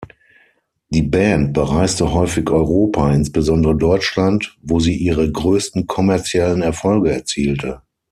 Die Band bereiste häufig Europa, insbesondere Deutschland, wo sie ihre größten kommerziellen Erfolge erzielte.